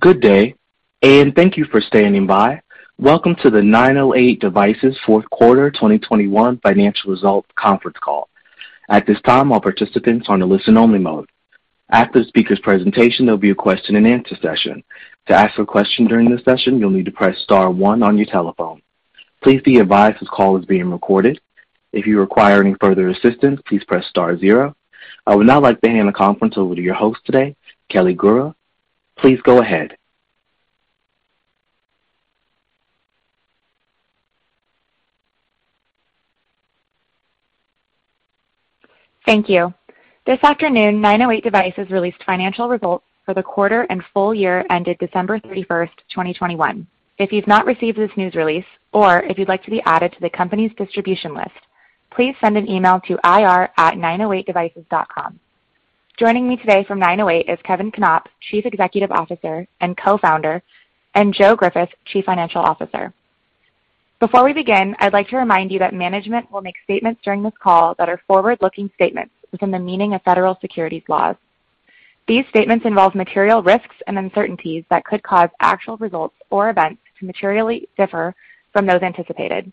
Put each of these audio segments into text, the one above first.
Good day, and thank you for standing by. Welcome to the 908 Devices fourth quarter 2021 financial results conference call. At this time, all participants are on a listen only mode. After the speaker's presentation, there'll be a question and answer session. To ask a question during this session, you'll need to press star one on your telephone. Please be advised this call is being recorded. If you require any further assistance, please press star zero. I would now like to hand the conference over to your host today, Kelly Gura. Please go ahead. Thank you. This afternoon, 908 Devices released financial results for the quarter and full year ended December 31st, 2021. If you've not received this news release or if you'd like to be added to the company's distribution list, please send an email to ir@908devices.com. Joining me today from 908 is Kevin Knopp, Chief Executive Officer and Co-Founder, and Joe Griffith, Chief Financial Officer. Before we begin, I'd like to remind you that management will make statements during this call that are forward-looking statements within the meaning of federal securities laws. These statements involve material risks and uncertainties that could cause actual results or events to materially differ from those anticipated.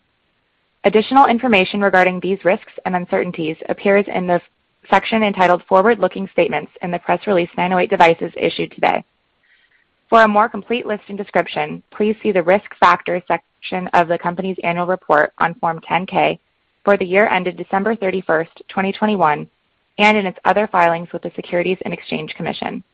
Additional information regarding these risks and uncertainties appears in the section entitled Forward-Looking Statements in the press release 908 Devices issued today. For a more complete list and description, please see the Risk Factors section of the company's annual report on Form 10-K for the year ended December 31st, 2021, and in its other filings with the Securities and Exchange Commission.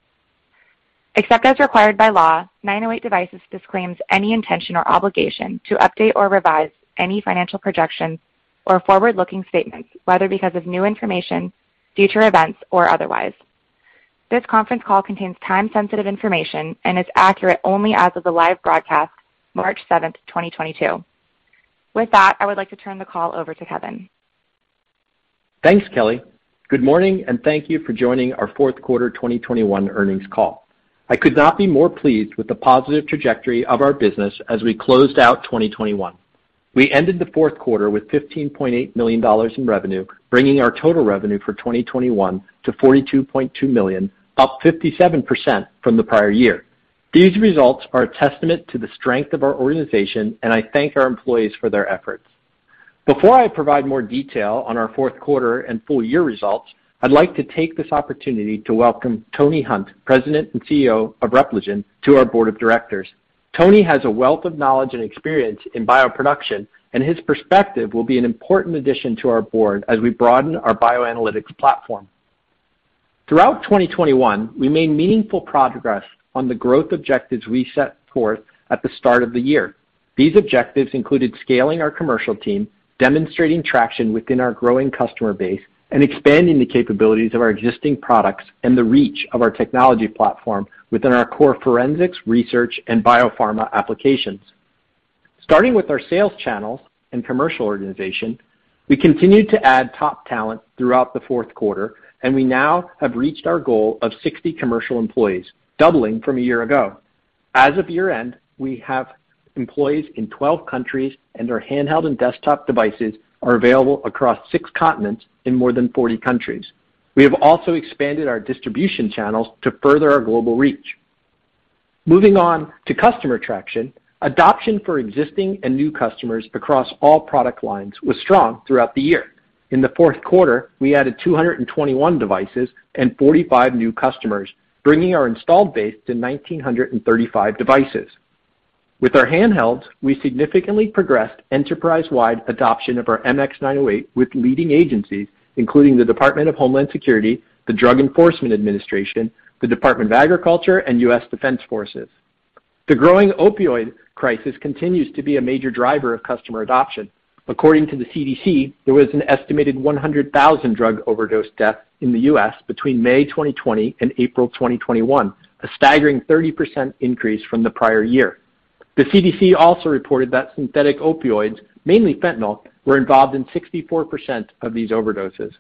Except as required by law, 908 Devices disclaims any intention or obligation to update or revise any financial projections or forward-looking statements, whether because of new information, future events, or otherwise. This conference call contains time-sensitive information and is accurate only as of the live broadcast March 7th, 2022. With that, I would like to turn the call over to Kevin. Thanks, Kelly. Good morning, and thank you for joining our fourth quarter 2021 earnings call. I could not be more pleased with the positive trajectory of our business as we closed out 2021. We ended the fourth quarter with $15.8 million in revenue, bringing our total revenue for 2021 to $42.2 million, up 57% from the prior year. These results are a testament to the strength of our organization, and I thank our employees for their efforts. Before I provide more detail on our Q4 and full year results, I'd like to take this opportunity to welcome Tony Hunt, President and CEO of Repligen, to our board of directors. Tony has a wealth of knowledge and experience in bioproduction, and his perspective will be an important addition to our board as we broaden our bioanalytics platform. Throughout 2021, we made meaningful progress on the growth objectives we set forth at the start of the year. These objectives included scaling our commercial team, demonstrating traction within our growing customer base, and expanding the capabilities of our existing products and the reach of our technology platform within our core forensics, research, and biopharma applications. Starting with our sales channels and commercial organization, we continued to add top talent throughout the fourth quarter, and we now have reached our goal of 60 commercial employees, doubling from a year ago. As of year-end, we have employees in 12 countries and our handheld and desktop devices are available across six continents in more than 40 countries. We have also expanded our distribution channels to further our global reach. Moving on to customer traction, adoption for existing and new customers across all product lines was strong throughout the year. In the Q4, we added 221 devices and 45 new customers, bringing our installed base to 1,935 devices. With our handhelds, we significantly progressed enterprise-wide adoption of our MX908 with leading agencies, including the Department of Homeland Security, the Drug Enforcement Administration, the Department of Agriculture, and U.S. Defense Forces. The growing opioid crisis continues to be a major driver of customer adoption. According to the CDC, there was an estimated 100,000 drug overdose deaths in the U.S. between May 2020 and April 2021, a staggering 30% increase from the prior year. The CDC also reported that synthetic opioids, mainly fentanyl, were involved in 64% of these overdoses.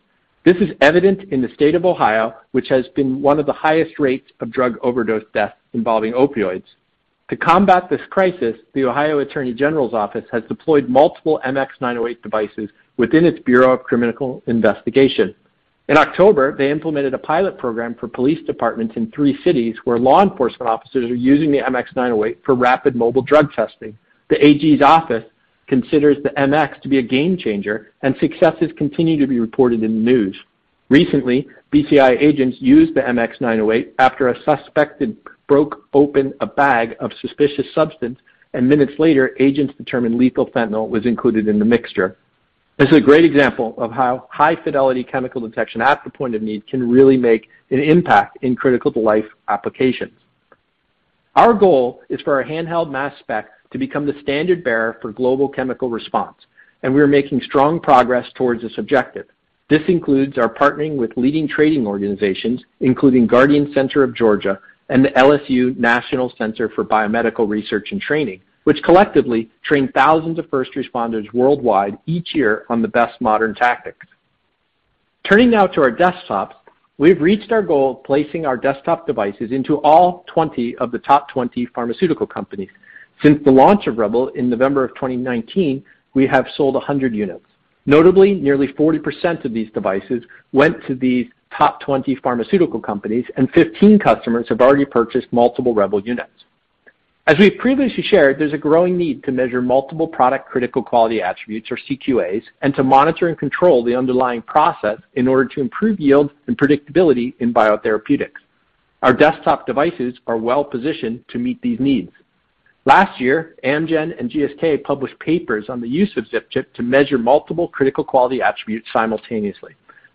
This is evident in the state of Ohio, which has been one of the highest rates of drug overdose deaths involving opioids. To combat this crisis, the Ohio Attorney General's office has deployed multiple MX908 devices within its Bureau of Criminal Investigation. In October, they implemented a pilot program for police departments in three cities where law enforcement officers are using the MX908 for rapid mobile drug testing. The AG's office considers the MX908 to be a game changer, and successes continue to be reported in the news. Recently, BCI agents used the MX908 after a suspect broke open a bag of suspicious substance, and minutes later, agents determined lethal fentanyl was included in the mixture. This is a great example of how high-fidelity chemical detection at the point of need can really make an impact in critical to life applications. Our goal is for our handheld mass spec to become the standard bearer for global chemical response, and we are making strong progress towards this objective. This includes our partnering with leading training organizations, including Guardian Centers of Georgia and the LSU National Center for Biomedical Research and Training, which collectively train thousands of first responders worldwide each year on the best modern tactics. Turning now to our desktops, we've reached our goal of placing our desktop devices into all 20 of the top 20 pharmaceutical companies. Since the launch of REBEL in November of 2019, we have sold 100 units. Notably, nearly 40% of these devices went to these top 20 pharmaceutical companies, and 15 customers have already purchased multiple REBEL units. As we previously shared, there's a growing need to measure multiple product critical quality attributes, or CQAs, and to monitor and control the underlying process in order to improve yield and predictability in biotherapeutics. Our desktop devices are well-positioned to meet these needs. Last year, Amgen and GSK published papers on the use of ZipChip to measure multiple critical quality attributes simultaneously.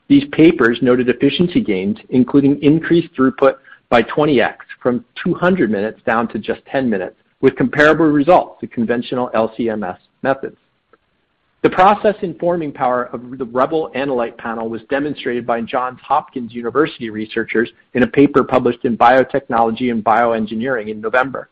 These papers noted efficiency gains, including increased throughput by 20x, from 200 minutes down to just 10 minutes, with comparable results to conventional LC-MS methods. The process-informing power of the REBEL analyte panel was demonstrated by Johns Hopkins University researchers in a paper published in Biotechnology and Bioengineering in November.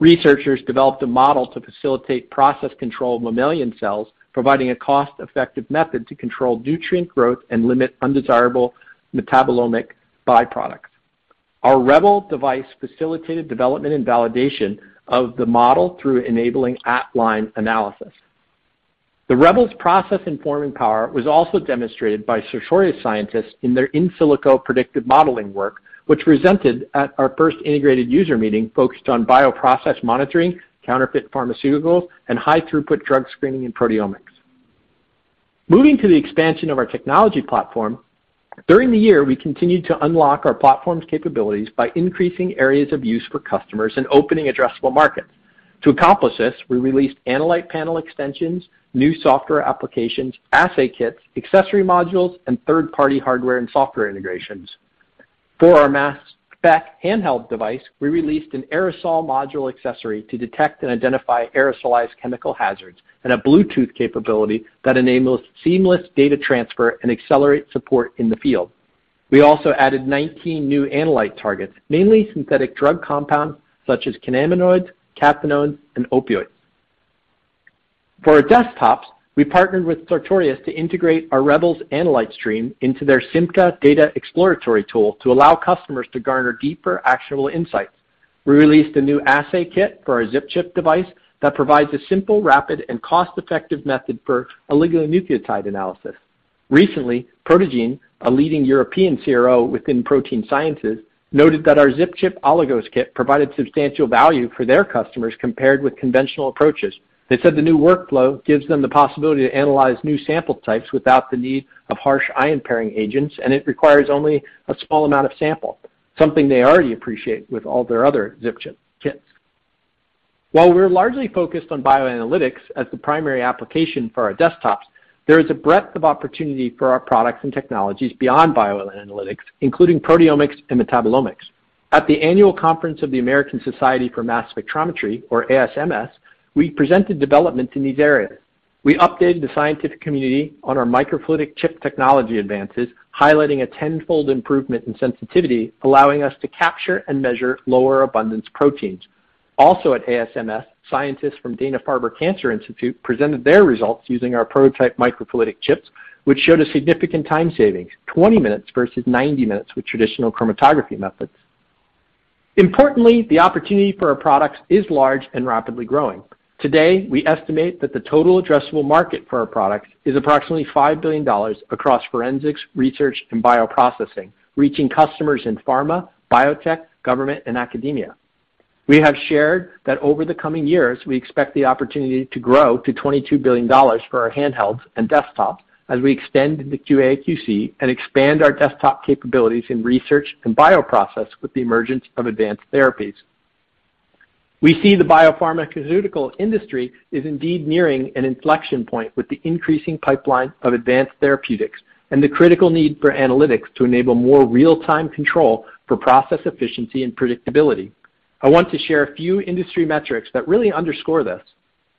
Researchers developed a model to facilitate process control of mammalian cells, providing a cost-effective method to control nutrient growth and limit undesirable metabolite byproducts. Our REBEL device facilitated development and validation of the model through enabling at-line analysis. The REBEL's process-informing power was also demonstrated by Sartorius scientists in their in silico predictive modeling work, which was presented at our first integrated user meeting focused on bioprocess monitoring, counterfeit pharmaceuticals, and high-throughput drug screening in proteomics. Moving to the expansion of our technology platform, during the year, we continued to unlock our platform's capabilities by increasing areas of use for customers and opening addressable markets. To accomplish this, we released analyte panel extensions, new software applications, assay kits, accessory modules, and third-party hardware and software integrations. For our mass spec handheld device, we released an aerosol module accessory to detect and identify aerosolized chemical hazards and a Bluetooth capability that enables seamless data transfer and accelerates support in the field. We also added 19 new analyte targets, mainly synthetic drug compounds such as cannabinoids, cathinones, and opioids. For our desktops, we partnered with Sartorius to integrate our REBEL's analyte stream into their SIMCA data exploratory tool to allow customers to garner deeper, actionable insights. We released a new assay kit for our ZipChip device that provides a simple, rapid, and cost-effective method for oligonucleotide analysis. Recently, ProtaGene, a leading European CRO within protein sciences, noted that our ZipChip oligos kit provided substantial value for their customers compared with conventional approaches. They said the new workflow gives them the possibility to analyze new sample types without the need of harsh ion-pairing agents, and it requires only a small amount of sample, something they already appreciate with all their other ZipChip kits. While we're largely focused on bioanalytics as the primary application for our desktops, there is a breadth of opportunity for our products and technologies beyond bioanalytics, including proteomics and metabolomics. At the annual conference of the American Society for Mass Spectrometry, or ASMS, we presented developments in these areas. We updated the scientific community on our microfluidic chip technology advances, highlighting a tenfold improvement in sensitivity, allowing us to capture and measure lower abundance proteins. Also at ASMS, scientists from Dana-Farber Cancer Institute presented their results using our prototype microfluidic chips, which showed a significant time savings, 20 minutes versus 90 minutes with traditional chromatography methods. Importantly, the opportunity for our products is large and rapidly growing. Today, we estimate that the total addressable market for our products is approximately $5 billion across forensics, research, and bioprocessing, reaching customers in pharma, biotech, government, and academia. We have shared that over the coming years, we expect the opportunity to grow to $22 billion for our handhelds and desktops as we extend the QA/QC and expand our desktop capabilities in research and bioprocess with the emergence of advanced therapies. We see the biopharmaceutical industry is indeed nearing an inflection point with the increasing pipeline of advanced therapeutics and the critical need for analytics to enable more real-time control for process efficiency and predictability. I want to share a few industry metrics that really underscore this.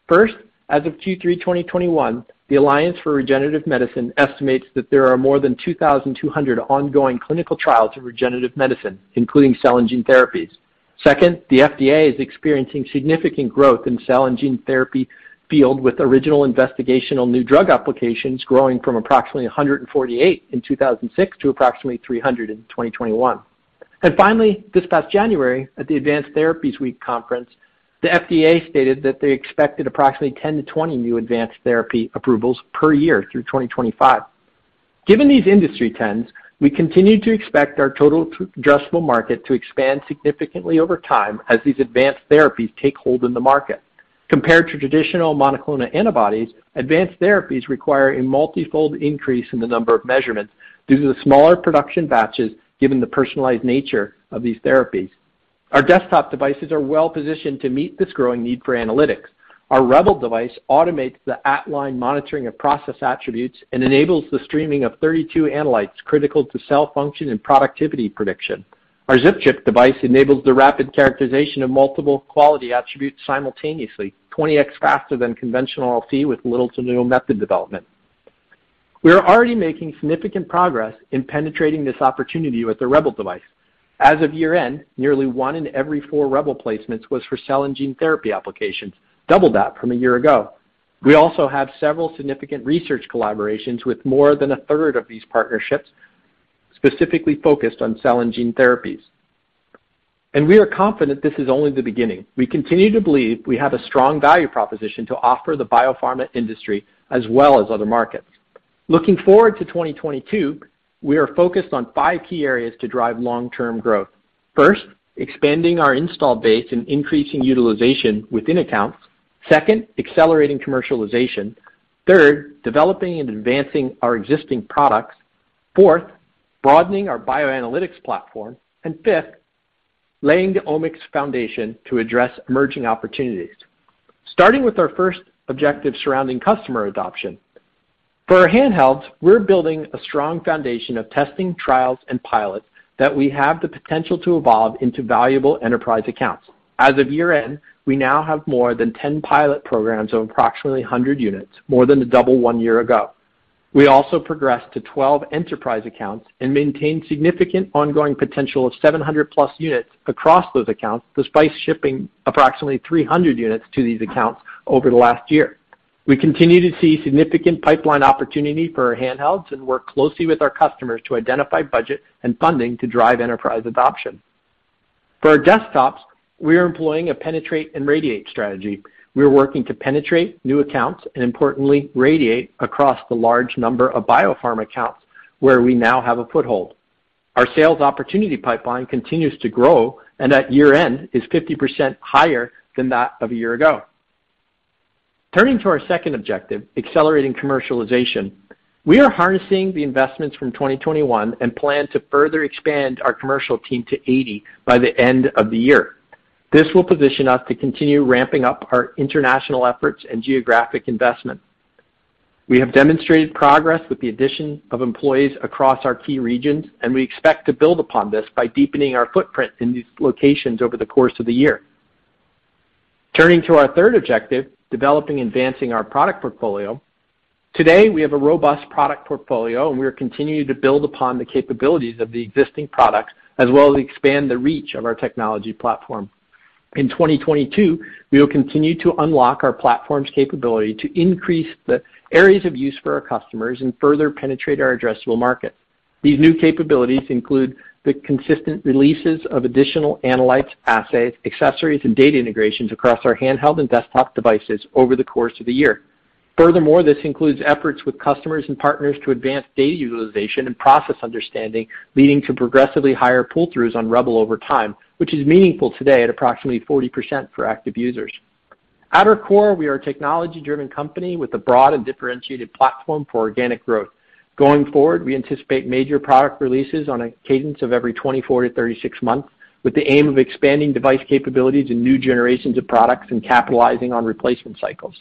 First, as of Q3 2021, the Alliance for Regenerative Medicine estimates that there are more than 2,200 ongoing clinical trials in regenerative medicine, including cell and gene therapies. Second, the FDA is experiencing significant growth in cell and gene therapy field, with original investigational new drug applications growing from approximately 148 in 2006 to approximately 300 in 2021. Finally, this past January, at the Advanced Therapies Week conference, the FDA stated that they expected approximately 10-20 new advanced therapy approvals per year through 2025. Given these industry trends, we continue to expect our total addressable market to expand significantly over time as these advanced therapies take hold in the market. Compared to traditional monoclonal antibodies, advanced therapies require a multi-fold increase in the number of measurements due to the smaller production batches given the personalized nature of these therapies. Our desktop devices are well-positioned to meet this growing need for analytics. Our REBEL device automates the at-line monitoring of process attributes and enables the streaming of 32 analytes critical to cell function and productivity prediction. Our ZipChip device enables the rapid characterization of multiple quality attributes simultaneously, 20x faster than conventional LC with little to no method development. We are already making significant progress in penetrating this opportunity with the REBEL device. As of year-end, nearly one in every four REBEL placements was for cell and gene therapy applications, double that from a year ago. We also have several significant research collaborations with more than a third of these partnerships specifically focused on cell and gene therapies. We are confident this is only the beginning. We continue to believe we have a strong value proposition to offer the biopharma industry as well as other markets. Looking forward to 2022, we are focused on five key areas to drive long-term growth. First, expanding our install base and increasing utilization within accounts. Second, accelerating commercialization. Third, developing and advancing our existing products. Fourth, broadening our bioanalytics platform. Fifth, laying the omics foundation to address emerging opportunities. Starting with our first objective surrounding customer adoption, for our handhelds, we're building a strong foundation of testing, trials, and pilots that we have the potential to evolve into valuable enterprise accounts. As of year-end, we now have more than 10 pilot programs of approximately 100 units, more than double one year ago. We also progressed to 12 enterprise accounts and maintained significant ongoing potential of 700+ units across those accounts, despite shipping approximately 300 units to these accounts over the last year. We continue to see significant pipeline opportunity for our handhelds and work closely with our customers to identify budget and funding to drive enterprise adoption. For our desktops, we are employing a penetrate-and-radiate strategy. We are working to penetrate new accounts and importantly radiate across the large number of biopharma accounts where we now have a foothold. Our sales opportunity pipeline continues to grow and at year-end is 50% higher than that of a year ago. Turning to our second objective, accelerating commercialization, we are harnessing the investments from 2021 and plan to further expand our commercial team to 80 by the end of the year. This will position us to continue ramping up our international efforts and geographic investment. We have demonstrated progress with the addition of employees across our key regions, and we expect to build upon this by deepening our footprint in these locations over the course of the year. Turning to our third objective, developing and advancing our product portfolio. Today, we have a robust product portfolio, and we are continuing to build upon the capabilities of the existing products as well as expand the reach of our technology platform. In 2022, we will continue to unlock our platform's capability to increase the areas of use for our customers and further penetrate our addressable market. These new capabilities include the consistent releases of additional analytes, assays, accessories, and data integrations across our handheld and desktop devices over the course of the year. Furthermore, this includes efforts with customers and partners to advance data utilization and process understanding, leading to progressively higher pull-throughs on REBEL over time, which is meaningful today at approximately 40% for active users. At our core, we are a technology-driven company with a broad and differentiated platform for organic growth. Going forward, we anticipate major product releases on a cadence of every 24-36 months, with the aim of expanding device capabilities in new generations of products and capitalizing on replacement cycles.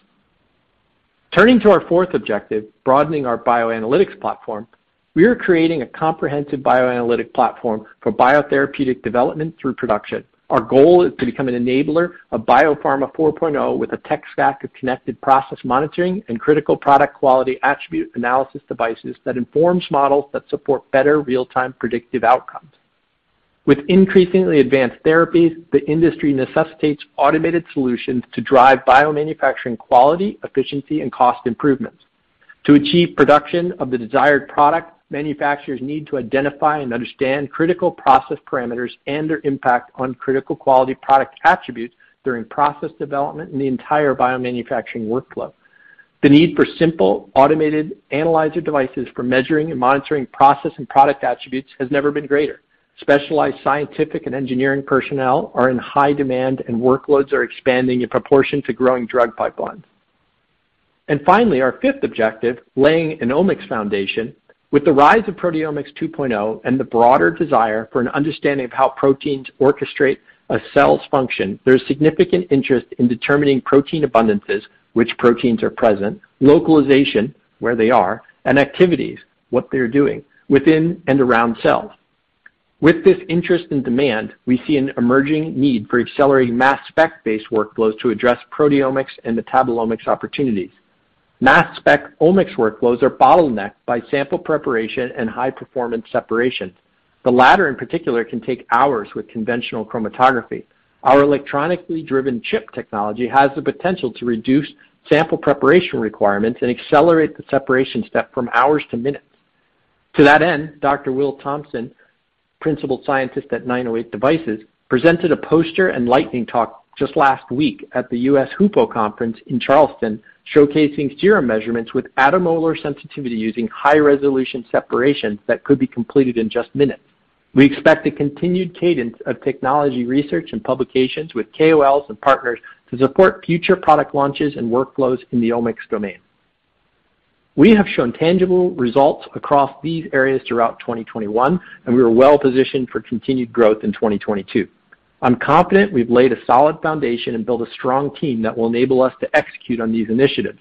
Turning to our fourth objective, broadening our bioanalytics platform, we are creating a comprehensive bioanalytics platform for biotherapeutic development through production. Our goal is to become an enabler of Biopharma 4.0 with a tech stack of connected process monitoring and critical product quality attribute analysis devices that informs models that support better real-time predictive outcomes. With increasingly advanced therapies, the industry necessitates automated solutions to drive biomanufacturing quality, efficiency, and cost improvements. To achieve production of the desired product, manufacturers need to identify and understand critical process parameters and their impact on critical quality product attributes during process development in the entire biomanufacturing workflow. The need for simple, automated analyzer devices for measuring and monitoring process and product attributes has never been greater. Specialized scientific and engineering personnel are in high demand, and workloads are expanding in proportion to growing drug pipelines. Finally, our fifth objective, laying an omics foundation. With the rise of Proteomics 2.0 and the broader desire for an understanding of how proteins orchestrate a cell's function, there is significant interest in determining protein abundances, which proteins are present, localization, where they are, and activities, what they are doing within and around cells. With this interest and demand, we see an emerging need for accelerating mass spec-based workflows to address proteomics and metabolomics opportunities. Mass spec omics workflows are bottlenecked by sample preparation and high-performance separation. The latter, in particular, can take hours with conventional chromatography. Our electronically driven chip technology has the potential to reduce sample preparation requirements and accelerate the separation step from hours to minutes. To that end, Dr. Will Thompson, Principal Scientist at 908 Devices, presented a poster and lightning talk just last week at the U.S. HUPO conference in Charleston, showcasing serum measurements with attomolar sensitivity using high-resolution separations that could be completed in just minutes. We expect a continued cadence of technology research and publications with KOLs and partners to support future product launches and workflows in the omics domain. We have shown tangible results across these areas throughout 2021, and we are well-positioned for continued growth in 2022. I'm confident we've laid a solid foundation and built a strong team that will enable us to execute on these initiatives.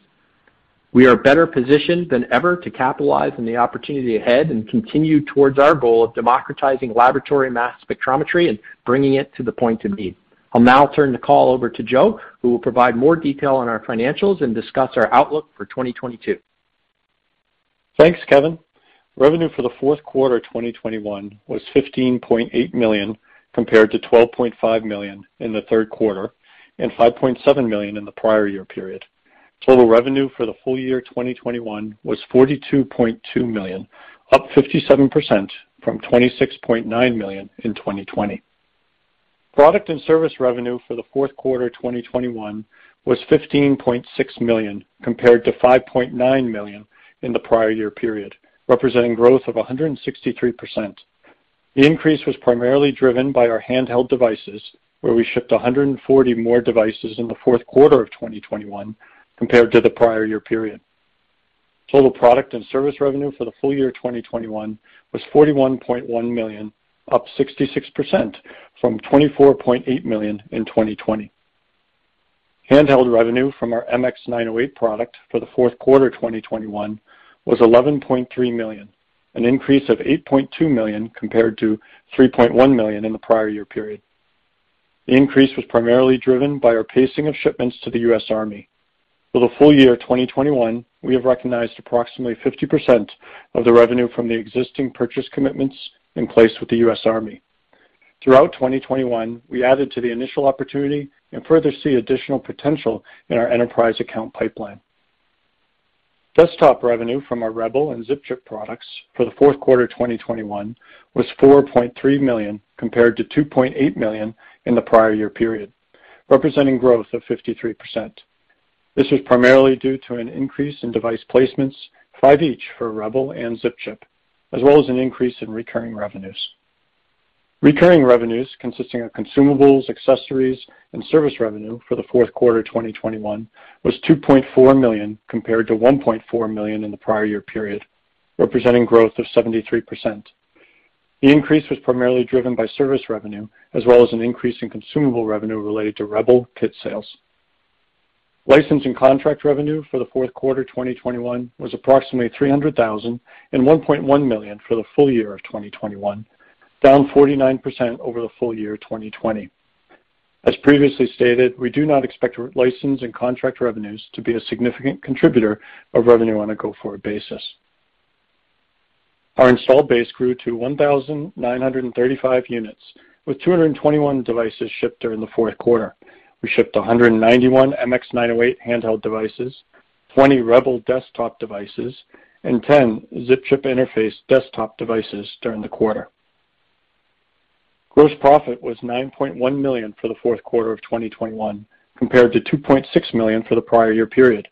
We are better positioned than ever to capitalize on the opportunity ahead and continue towards our goal of democratizing laboratory mass spectrometry and bringing it to the point of need. I'll now turn the call over to Joe, who will provide more detail on our financials and discuss our outlook for 2022. Thanks, Kevin. Revenue for the fourth quarter of 2021 was $15.8 million, compared to $12.5 million in the Q3 and $5.7 million in the prior year period. Total revenue for the full year 2021 was $42.2 million, up 57% from $26.9 million in 2020. Product and service revenue for the Q4 2021 was $15.6 million compared to $5.9 million in the prior year period, representing growth of 163%. The increase was primarily driven by our handheld devices, where we shipped 140 more devices in the fourth quarter of 2021 compared to the prior year period. Total product and service revenue for the full year 2021 was $41.1 million, up 66% from $24.8 million in 2020. Handheld revenue from our MX908 product for the Q4 2021 was $11.3 million, an increase of $8.2 million compared to $3.1 million in the prior year period. The increase was primarily driven by our pacing of shipments to the U.S. Army. For the full year 2021, we have recognized approximately 50% of the revenue from the existing purchase commitments in place with the U.S. Army. Throughout 2021, we added to the initial opportunity and further see additional potential in our enterprise account pipeline. Desktop revenue from our REBEL and ZipChip products for the Q4 2021 was $4.3 million compared to $2.8 million in the prior year period, representing growth of 53%. This was primarily due to an increase in device placements, five each for REBEL and ZipChip, as well as an increase in recurring revenues. Recurring revenues consisting of consumables, accessories and service revenue for the Q4 2021 was $2.4 million compared to $1.4 million in the prior year period, representing growth of 73%. The increase was primarily driven by service revenue as well as an increase in consumable revenue related to REBEL kit sales. License and contract revenue for the Q4 2021 was approximately $300,000 and $1.1 million for the full year of 2021, down 49% over the full year of 2020. As previously stated, we do not expect license and contract revenues to be a significant contributor of revenue on a go-forward basis. Our installed base grew to 1,935 units with 221 devices shipped during the Q4. We shipped 191 MX908 handheld devices, 20 REBEL desktop devices, and 10 ZipChip interface desktop devices during the quarter. Gross profit was $9.1 million for the Q4 of 2021 compared to $2.6 million for the prior year period.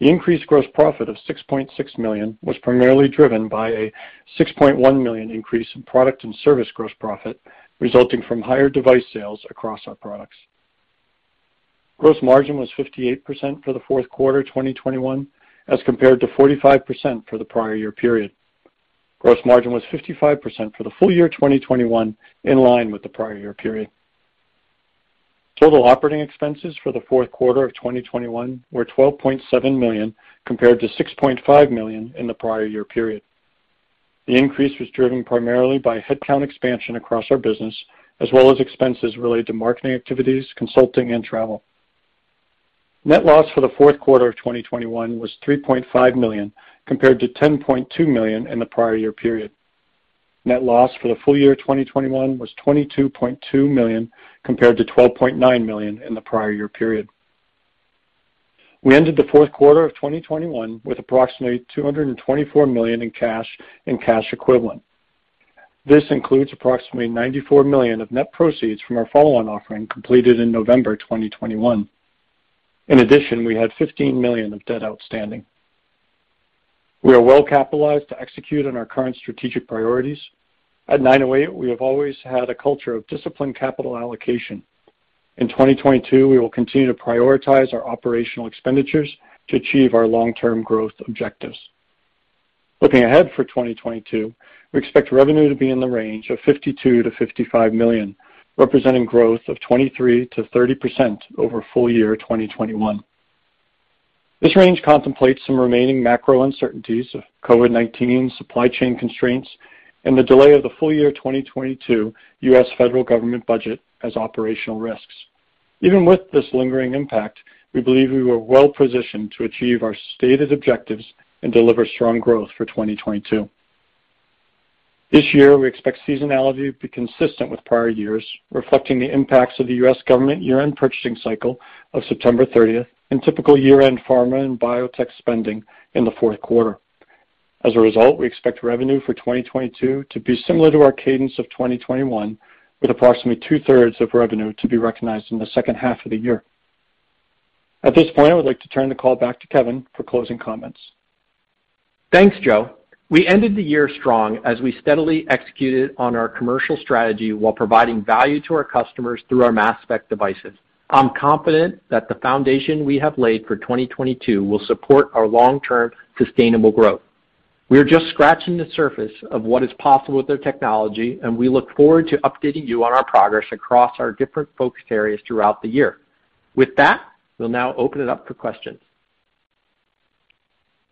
The increased gross profit of $6.6 million was primarily driven by a $6.1 million increase in product and service gross profit, resulting from higher device sales across our products. Gross margin was 58% for the fourth quarter 2021 as compared to 45% for the prior year period. Gross margin was 55% for the full year 2021, in line with the prior year period. Total operating expenses for the Q4 of 2021 were $12.7 million compared to $6.5 million in the prior year period. The increase was driven primarily by headcount expansion across our business as well as expenses related to marketing activities, consulting and travel. Net loss for the Q4 of 2021 was $3.5 million compared to $10.2 million in the prior year period. Net loss for the full year of 2021 was $22.2 million compared to $12.9 million in the prior year period. We ended the Q4 of 2021 with approximately $224 million in cash and cash equivalents. This includes approximately $94 million of net proceeds from our follow-on offering completed in November 2021. In addition, we had $15 million of debt outstanding. We are well capitalized to execute on our current strategic priorities. At 908 Devices we have always had a culture of disciplined capital allocation. In 2022, we will continue to prioritize our operational expenditures to achieve our long-term growth objectives. Looking ahead for 2022, we expect revenue to be in the range of $52 million-$55 million, representing growth of 23%-30% over full year 2021. This range contemplates some remaining macro uncertainties of COVID-19 supply chain constraints and the delay of the full year 2022 U.S. federal government budget as operational risks. Even with this lingering impact, we believe we are well positioned to achieve our stated objectives and deliver strong growth for 2022. This year we expect seasonality to be consistent with prior years, reflecting the impacts of the U.S. government year-end purchasing cycle of September 30th, and typical year-end pharma and biotech spending in the Q4. As a result, we expect revenue for 2022 to be similar to our cadence of 2021, with approximately two-thirds of revenue to be recognized in the second half of the year. At this point, I would like to turn the call back to Kevin for closing comments. Thanks, Joe. We ended the year strong as we steadily executed on our commercial strategy while providing value to our customers through our mass spec devices. I'm confident that the foundation we have laid for 2022 will support our long-term sustainable growth. We are just scratching the surface of what is possible with our technology, and we look forward to updating you on our progress across our different focus areas throughout the year. With that, we'll now open it up for questions.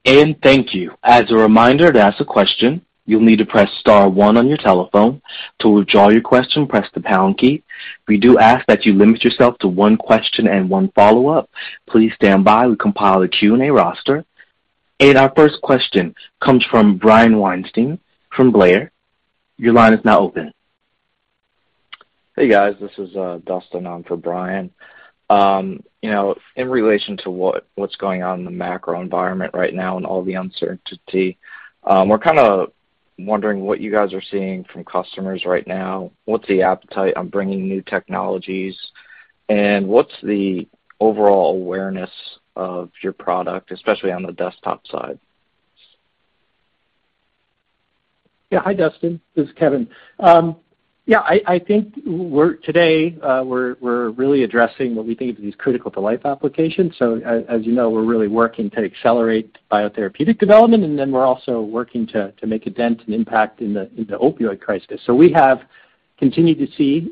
Thank you. As a reminder, to ask a question, you'll need to press star one on your telephone. To withdraw your question, press the pound key. We do ask that you limit yourself to one question and one follow-up. Please stand by. We compile a Q&A roster. Our first question comes from Brian Weinstein from Blair. Your line is now open. Hey guys, this is Dustin on for Brian. You know, in relation to what's going on in the macro environment right now and all the uncertainty, we're kinda wondering what you guys are seeing from customers right now. What's the appetite on bringing new technologies? What's the overall awareness of your product, especially on the desktop side? Yeah. Hi, Dustin. This is Kevin. I think today we're really addressing what we think of these critical to life applications. As you know, we're really working to accelerate biotherapeutic development, and then we're also working to make a dent and impact in the opioid crisis. We have continued to see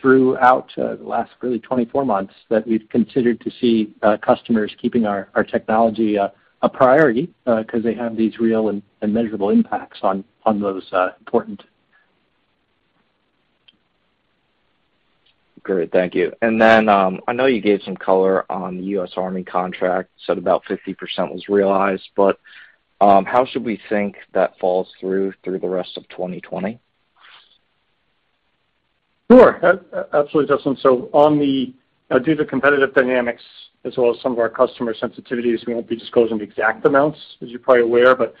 throughout the last really 24 months that we've continued to see customers keeping our technology a priority 'cause they have these real and measurable impacts on those important. Great. Thank you. I know you gave some color on the U.S. Army contract, said about 50% was realized, but how should we think that falls through the rest of 2020? Sure. Absolutely, Dustin. Due to competitive dynamics as well as some of our customer sensitivities, we won't be disclosing the exact amounts, as you're probably aware. The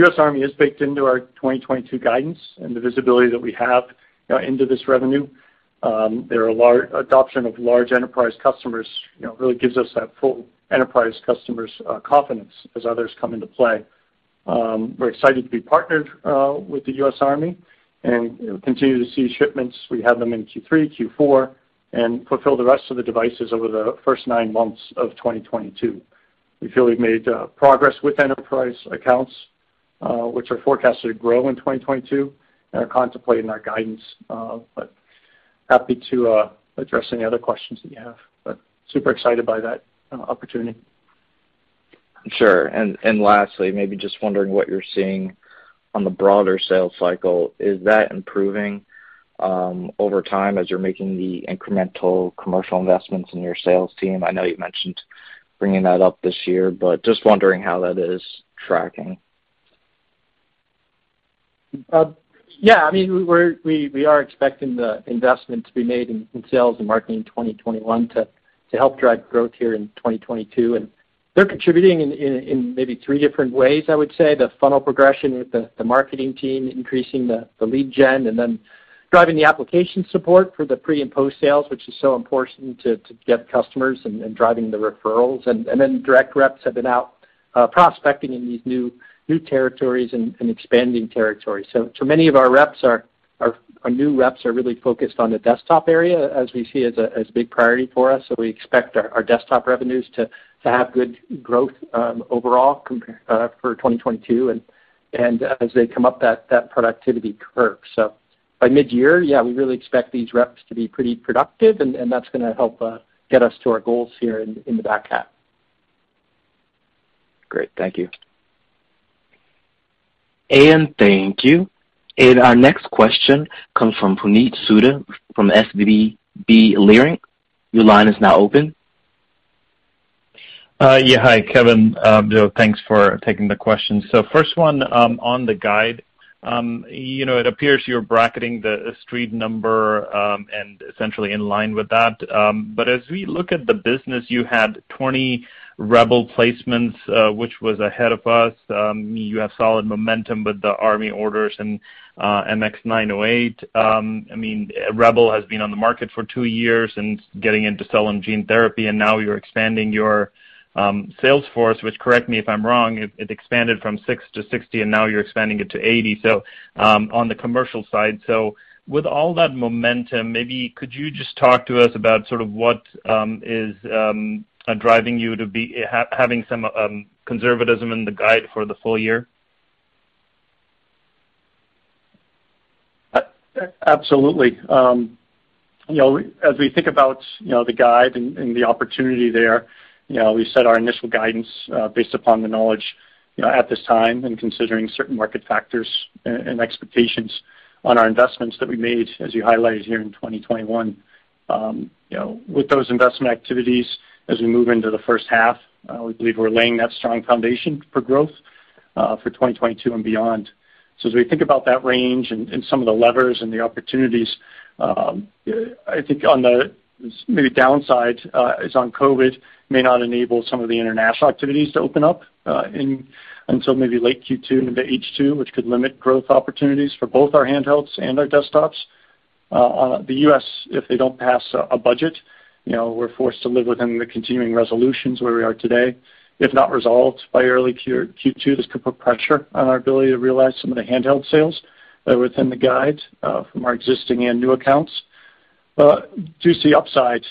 U.S. Army is baked into our 2022 guidance and the visibility that we have, you know, into this revenue. Their adoption by large enterprise customers, you know, really gives us that full enterprise customer confidence as others come into play. We're excited to be partnered with the U.S. Army and continue to see shipments. We have them in Q3, Q4, and fulfill the rest of the devices over the first nine months of 2022. We feel we've made progress with enterprise accounts, which are forecasted to grow in 2022, and are contributing to our guidance, but happy to address any other questions that you have. Super excited by that, opportunity. Sure. Lastly, maybe just wondering what you're seeing on the broader sales cycle. Is that improving over time as you're making the incremental commercial investments in your sales team? I know you've mentioned bringing that up this year, but just wondering how that is tracking. Yeah. I mean, we are expecting the investment to be made in sales and marketing in 2021 to help drive growth here in 2022. They're contributing in maybe three different ways, I would say. The funnel progression with the marketing team increasing the lead gen and then driving the application support for the pre- and post-sales, which is so important to get customers and driving the referrals. Then direct reps have been out prospecting in these new territories and expanding territories. Many of our reps are our new reps are really focused on the desktop area as we see as a big priority for us. We expect our desktop revenues to have good growth overall comparable for 2022 and as they come up that productivity curve. By midyear, yeah, we really expect these reps to be pretty productive and that's gonna help get us to our goals here in the back half. Great. Thank you. Thank you. Our next question comes from Puneet Souda from SVB Leerink. Your line is now open. Yeah. Hi, Kevin. You know, thanks for taking the question. First one, on the guide. You know, it appears you're bracketing the Street number, and essentially in line with that. As we look at the business, you had 20 REBEL placements, which was ahead of us. You have solid momentum with the Army orders and MX908. I mean, REBEL has been on the market for two years and getting into cell and gene therapy, and now you're expanding your sales force, which, correct me if I'm wrong, it expanded from six to 60, and now you're expanding it to 80. On the commercial side, so with all that momentum, maybe could you just talk to us about sort of what is driving you to be having some conservatism in the guide for the full year? Absolutely. You know, as we think about the guide and the opportunity there, you know, we set our initial guidance based upon the knowledge you know at this time and considering certain market factors and expectations on our investments that we made, as you highlighted here in 2021. You know, with those investment activities, as we move into the first half, we believe we're laying that strong foundation for growth for 2022 and beyond. As we think about that range and some of the levers and the opportunities, I think on the maybe downside is on COVID may not enable some of the international activities to open up until maybe late Q2 into H2, which could limit growth opportunities for both our handhelds and our desktops. The U.S., if they don't pass a budget, you know, we're forced to live within the continuing resolutions where we are today. If not resolved by early Q2, this could put pressure on our ability to realize some of the handheld sales that are within the guide from our existing and new accounts. Do you see upsides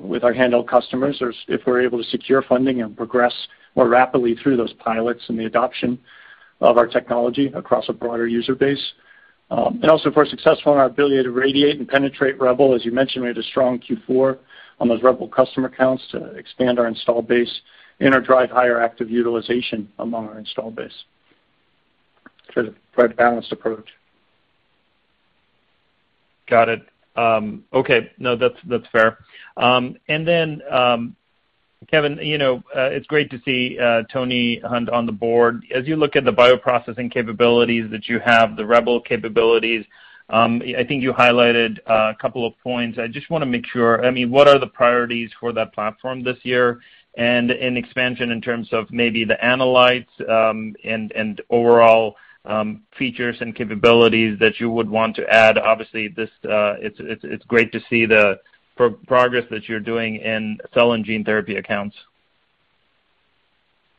with our handheld customers if we're able to secure funding and progress more rapidly through those pilots and the adoption of our technology across a broader user base. And also if we're successful in our ability to expand and penetrate REBEL, as you mentioned, we had a strong Q4 on those REBEL customer accounts to expand our install base and/or drive higher active utilization among our install base. Sort of quite a balanced approach. Got it. Okay. No, that's fair. Kevin, you know, it's great to see Tony Hunt on the board. As you look at the bioprocessing capabilities that you have, the REBEL capabilities, I think you highlighted a couple of points. I just wanna make sure, I mean, what are the priorities for that platform this year and in expansion in terms of maybe the analytes, and overall, features and capabilities that you would want to add? Obviously, this, it's great to see the progress that you're doing in cell and gene therapy accounts.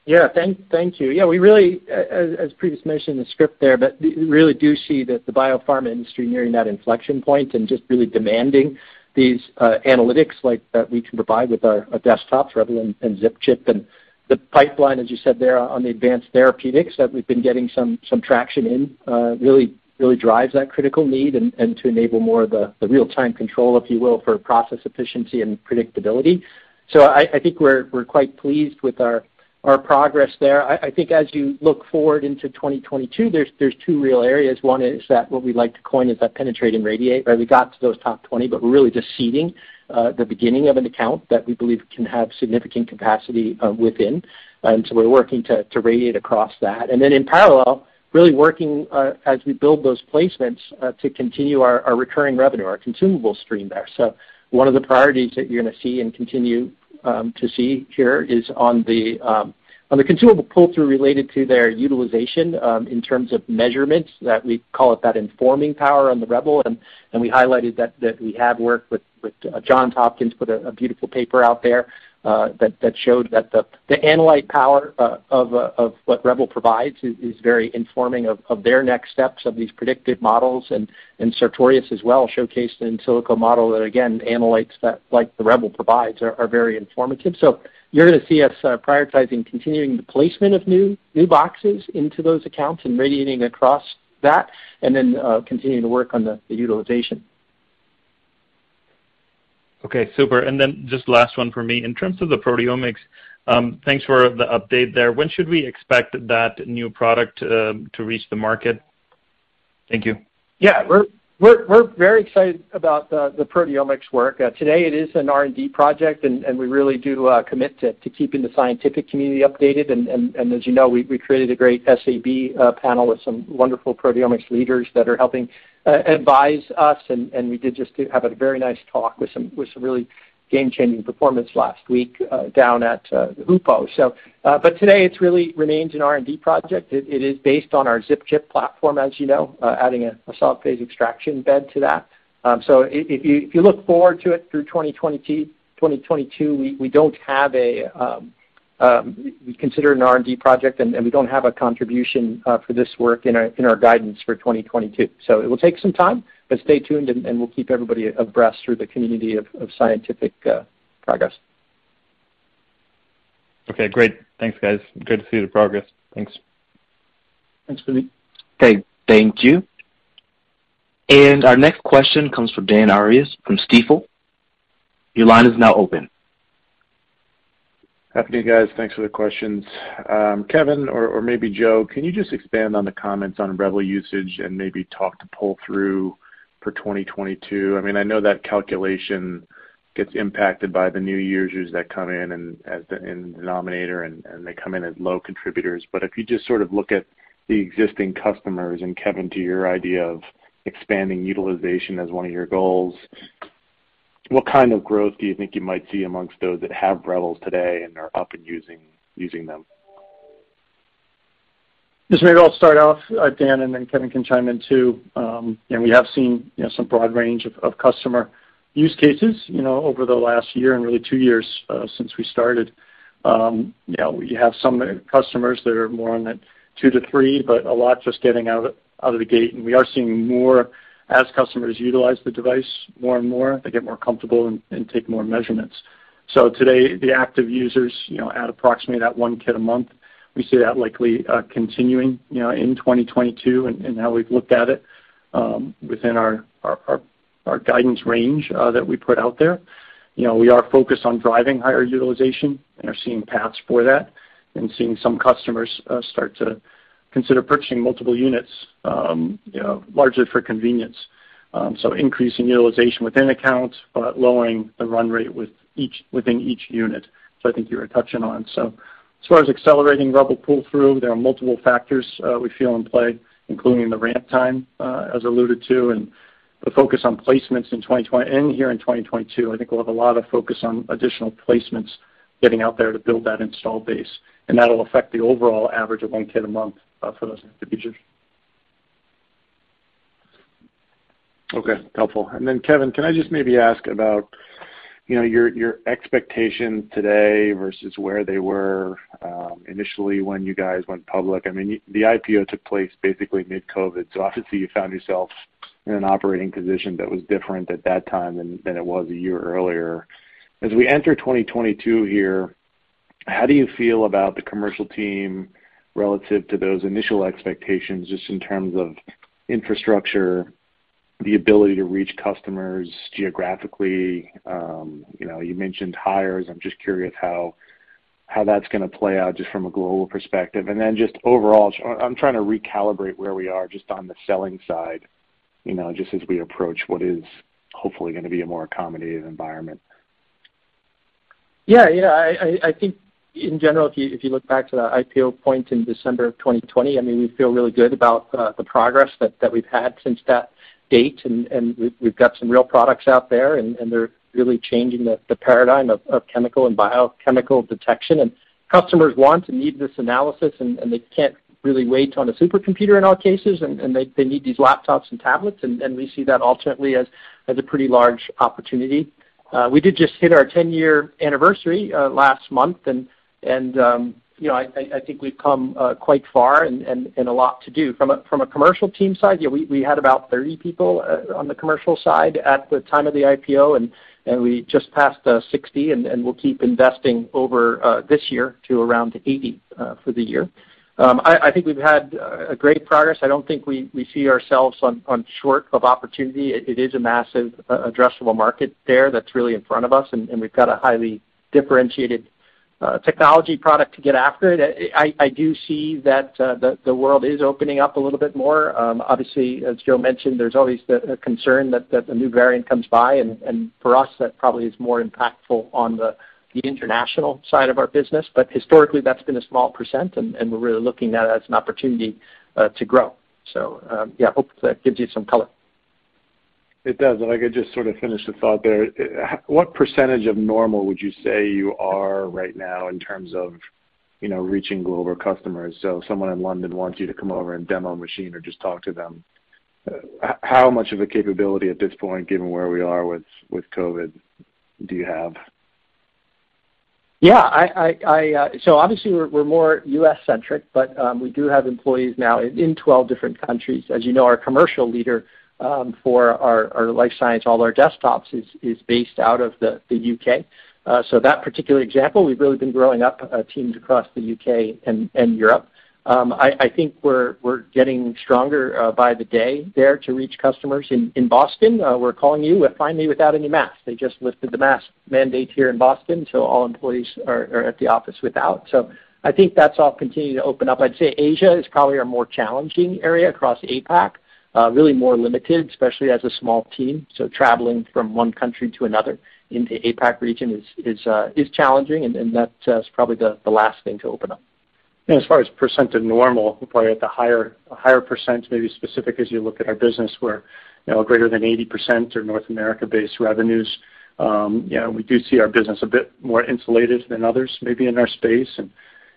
Yeah. Thank you. Yeah, we really as previously mentioned in the script there, but we really do see that the biopharma industry nearing that inflection point and just really demanding these analytics like that we can provide with our desktop REBEL and ZipChip. The pipeline, as you said there on the advanced therapies that we've been getting some traction in really drives that critical need and to enable more of the real-time control, if you will, for process efficiency and predictability. I think we're quite pleased with our progress there. I think as you look forward into 2022, there's two real areas. One is that what we like to coin is that penetrate and radiate, right? We got to those top 20, but we're really just seeding the beginning of an account that we believe can have significant capacity within. We're working to radiate across that. In parallel, really working as we build those placements to continue our recurring revenue, our consumable stream there. One of the priorities that you're gonna see and continue to see here is on the consumable pull-through related to their utilization in terms of measurements that we call the informing power on the REBEL, and we highlighted that we had worked with Johns Hopkins, put a beautiful paper out there that showed that the analyte panel of what REBEL provides is very informing of their next steps of these predictive models. Sartorius as well showcased in silico model that again, analytes that like the REBEL provides are very informative. You're gonna see us prioritizing continuing the placement of new boxes into those accounts and radiating across that and then continuing to work on the utilization. Okay, super. Just last one for me. In terms of the proteomics, thanks for the update there. When should we expect that new product to reach the market? Thank you. Yeah. We're very excited about the proteomics work. Today it is an R&D project, and we really do commit to keeping the scientific community updated. As you know, we created a great SAB panel with some wonderful proteomics leaders that are helping advise us, and we did just have a very nice talk with some really game-changing performance last week down at the HUPO. But today it really remains an R&D project. It is based on our ZipChip platform, as you know, adding a solid phase extraction bed to that. If you look forward to it through 2020, 2022, we don't have a We consider it an R&D project and we don't have a contribution for this work in our guidance for 2022. It will take some time, but stay tuned and we'll keep everybody abreast through the community of scientific progress. Okay, great. Thanks, guys. Good to see the progress. Thanks. Thanks, Puneet Okay, thank you. Our next question comes from Dan Arias from Stifel. Your line is now open. Afternoon, guys. Thanks for the questions. Kevin or maybe Joe, can you just expand on the comments on REBEL usage and maybe talk to pull-through for 2022? I mean, I know that calculation gets impacted by the new users that come in and in denominator and they come in as low contributors. If you just sort of look at the existing customers and Kevin, to your idea of expanding utilization as one of your goals, what kind of growth do you think you might see amongst those that have REBELs today and are up and using them? Just maybe I'll start off, Dan, and then Kevin can chime in too. You know, we have seen, you know, some broad range of customer use cases, you know, over the last year and really two years, since we started. You know, we have some customers that are more on the two to three, but a lot just getting out of the gate. We are seeing more as customers utilize the device more and more, they get more comfortable and take more measurements. Today, the active users, you know, at approximately that 1 kit a month, we see that likely continuing, you know, in 2022 and how we've looked at it, within our guidance range, that we put out there. You know, we are focused on driving higher utilization and are seeing paths for that and seeing some customers start to consider purchasing multiple units, you know, largely for convenience. Increasing utilization within accounts, but lowering the run rate with each unit. I think you were touching on. As far as accelerating REBEL pull-through, there are multiple factors we feel in play, including the ramp time, as alluded to, and the focus on placements in 2022. I think we'll have a lot of focus on additional placements getting out there to build that install base, and that'll affect the overall average of one kit a month for those active users. Okay. Helpful. Then Kevin, can I just maybe ask about, you know, your expectation today versus where they were initially when you guys went public? I mean, the IPO took place basically mid-COVID-19, so obviously you found yourself in an operating position that was different at that time than it was a year earlier. As we enter 2022 here, how do you feel about the commercial team relative to those initial expectations, just in terms of infrastructure, the ability to reach customers geographically? You know, you mentioned hires. I'm just curious how that's gonna play out just from a global perspective. Then just overall, I'm trying to recalibrate where we are just on the selling side, you know, just as we approach what is hopefully gonna be a more accommodative environment. Yeah, I think in general, if you look back to the IPO point in December of 2020, I mean, we feel really good about the progress that we've had since that date, and we've got some real products out there, and they're really changing the paradigm of chemical and biochemical detection. Customers want and need this analysis, and they can't really wait on a supercomputer in all cases, and they need these laptops and tablets. We see that ultimately as a pretty large opportunity. We did just hit our 10-year anniversary last month, and you know, I think we've come quite far, and a lot to do. From a commercial team side, yeah, we had about 30 people on the commercial side at the time of the IPO, and we just passed 60 and we'll keep investing over this year to around 80 for the year. I think we've had a great progress. I don't think we see ourselves on short of opportunity. It is a massive addressable market there that's really in front of us, and we've got a highly differentiated technology product to get after it. I do see that the world is opening up a little bit more. Obviously, as Joe mentioned, there's always a concern that a new variant comes by, and for us, that probably is more impactful on the international side of our business. Historically, that's been a small percent, and we're really looking at it as an opportunity to grow. Yeah, hope that gives you some color. It does. If I could just sort of finish the thought there. What percentage of normal would you say you are right now in terms of, you know, reaching global customers? So someone in London wants you to come over and demo a machine or just talk to them, how much of a capability at this point, given where we are with COVID, do you have? Obviously, we're more U.S.-centric, but we do have employees now in 12 different countries. As you know, our commercial leader for our life science, all our desktops is based out of the U.K. That particular example, we've really been growing our teams across the U.K. and Europe. I think we're getting stronger by the day there to reach customers. In Boston, we're calling you finally without any masks. They just lifted the mask mandate here in Boston, so all employees are at the office without. I think that's all continuing to open up. I'd say Asia is probably our more challenging area across APAC, really more limited, especially as a small team. Traveling from one country to another in the APAC region is challenging, and that is probably the last thing to open up. As far as percent of normal, we're probably at a higher percent, maybe be specific as you look at our business where, you know, greater than 80% are North America-based revenues. You know, we do see our business a bit more insulated than others, maybe in our space. You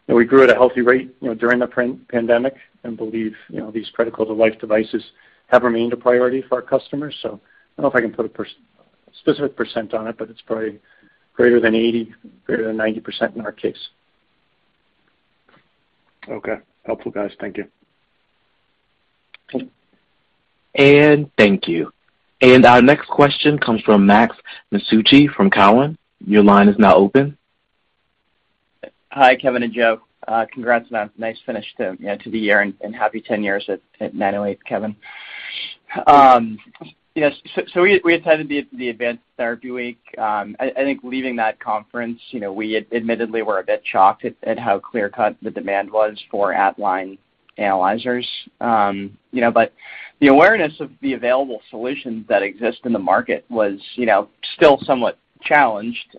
know, we grew at a healthy rate, you know, during the pandemic and believe, you know, these critical to life devices have remained a priority for our customers. I don't know if I can put a specific percent on it, but it's probably greater than 80, greater than 90% in our case. Okay. Helpful, guys. Thank you. Okay. Thank you. Our next question comes from Max Masucci from Cowen. Your line is now open. Hi, Kevin and Joe. Congrats on a nice finish to, you know, to the year and happy 10 years at 908 Devices, Kevin. We attended the Advanced Therapies Week. I think leaving that conference, you know, we admittedly were a bit shocked at how clear-cut the demand was for at-line analyzers. You know, the awareness of the available solutions that exist in the market was still somewhat challenged.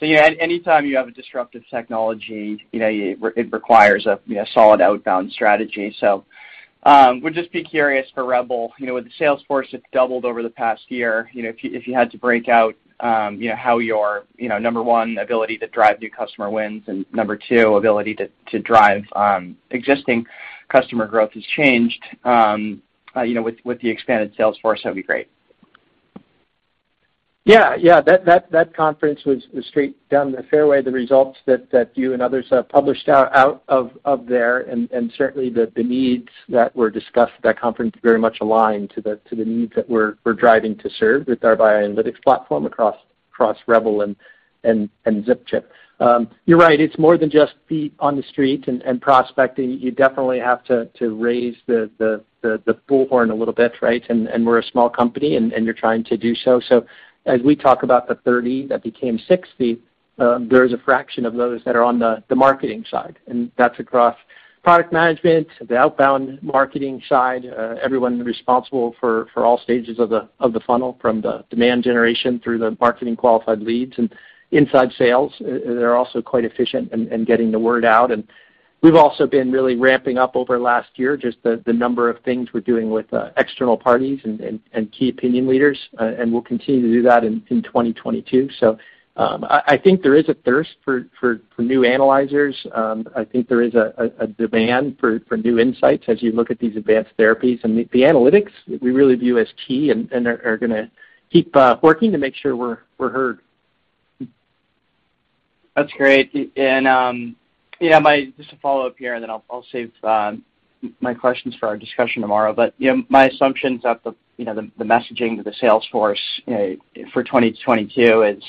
You know, anytime you have a disruptive technology, you know, it requires a solid outbound strategy. Would just be curious for REBEL, you know, with the sales force that's doubled over the past year, you know, if you had to break out, you know, how your, you know, number one, ability to drive new customer wins and number two, ability to drive existing customer growth has changed, you know, with the expanded sales force, that'd be great. Yeah. That conference was straight down the fairway, the results that you and others have published out of there, and certainly the needs that were discussed at that conference very much aligned to the needs that we're driving to serve with our bioanalytics platform across REBEL and ZipChip. You're right. It's more than just feet on the street and prospecting. You definitely have to raise the bullhorn a little bit, right? We're a small company, and you're trying to do so. As we talk about the 30 that became 60, there is a fraction of those that are on the marketing side, and that's across product management, the outbound marketing side, everyone responsible for all stages of the funnel, from the demand generation through the marketing qualified leads. Inside sales, they're also quite efficient in getting the word out. We've also been really ramping up over last year just the number of things we're doing with external parties and key opinion leaders. We'll continue to do that in 2022. I think there is a thirst for new analyzers. I think there is a demand for new insights as you look at these advanced therapies. The analytics we really view as key and are gonna keep working to make sure we're heard. That's great. Just a follow-up here, and then I'll save my questions for our discussion tomorrow. You know, my assumption is that the messaging to the sales force for 2022 is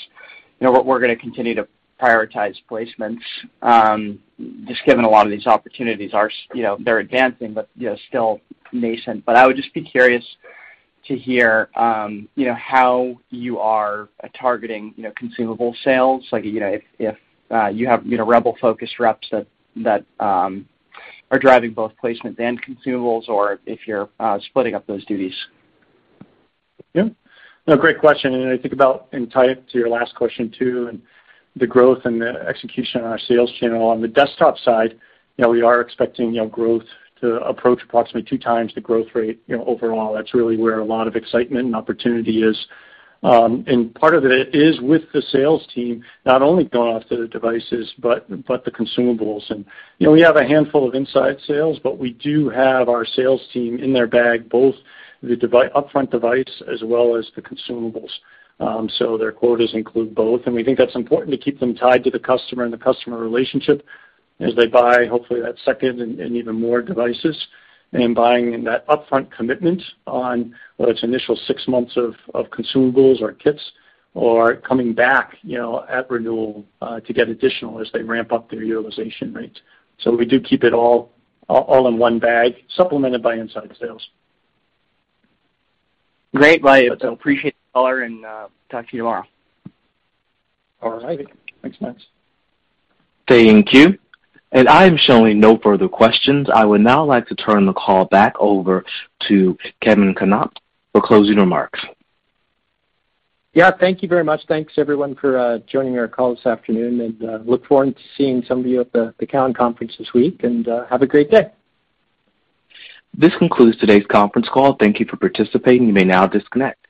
what we're gonna continue to prioritize placements, just given a lot of these opportunities are advancing but still nascent. I would just be curious to hear how you are targeting consumable sales, like if you have REBEL-focused reps that are driving both placement and consumables or if you're splitting up those duties. Yeah. No, great question. I think about and tied to your last question too, and the growth and the execution on our sales channel. On the desktop side, you know, we are expecting, you know, growth to approach approximately 2x the growth rate, you know, overall. That's really where a lot of excitement and opportunity is. Part of it is with the sales team, not only going after the devices but the consumables. You know, we have a handful of inside sales, but we do have our sales team in their bag, both the upfront device as well as the consumables. Their quotas include both, and we think that's important to keep them tied to the customer and the customer relationship as they buy, hopefully, that second and even more devices and buying that upfront commitment on whether it's initial six months of consumables or kits or coming back, you know, at renewal, to get additional as they ramp up their utilization rates. We do keep it all in one bag, supplemented by inside sales. Great. Well, I appreciate the call and talk to you tomorrow. All righty. Thanks, Max. Thank you. I'm showing no further questions. I would now like to turn the call back over to Kevin Knopp for closing remarks. Yeah. Thank you very much. Thanks, everyone, for joining our call this afternoon and look forward to seeing some of you at the Cowen conference this week, and have a great day. This concludes today's conference call. Thank you for participating. You may now disconnect.